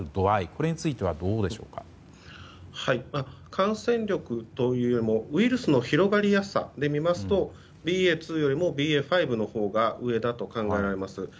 これについては感染力というよりもウイルスの広がりやすさで見ますと、ＢＡ．２よりもＢＡ．５のほうが上だと考えられます。